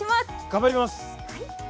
頑張ります！